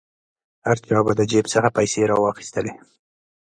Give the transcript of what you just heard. هر چا به د جیب څخه پیسې را واخیستلې.